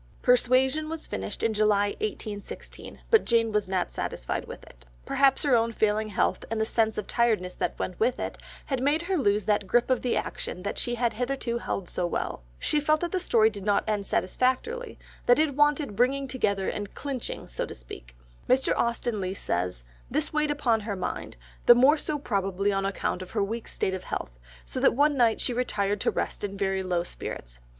Persuasion was finished in July 1816, but Jane was not satisfied with it, perhaps her own failing health and the sense of tiredness that went with it, had made her lose that grip of the action that she had hitherto held so well; she felt the story did not end satisfactorily, that it wanted bringing together and clinching so to speak; Mr. Austen Leigh says: "This weighed upon her mind, the more so probably on account of her weak state of health, so that one night she retired to rest in very low spirits.